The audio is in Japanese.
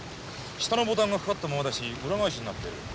下のボタンがかかったままだし裏返しになってる。